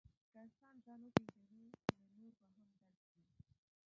که انسان ځان وپېژني، نو نور به هم درک کړي.